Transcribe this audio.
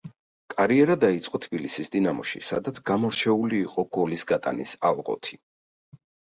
კარიერა დაიწყო თბილისის „დინამოში“, სადაც გამორჩეული იყო გოლის გატანის ალღოთი.